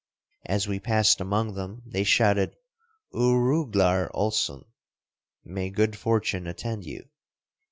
As we passed among them they shouted "Oorooglar olsun" ("May good fortune attend you").